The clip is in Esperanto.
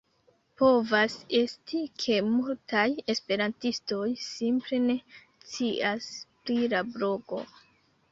Povas esti, ke multaj esperantistoj simple ne scias pri la blogo.